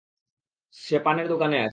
সে পানের দোকানে আছে।